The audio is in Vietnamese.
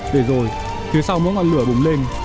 để rồi phía sau mỗi ngọn lửa bùng lên